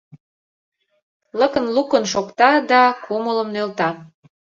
Лыкын-лукын шокта да кумылым нӧлта.